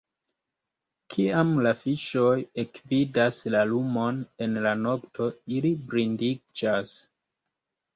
Kiam la fiŝoj ekvidas la lumon en la nokto, ili blindiĝas.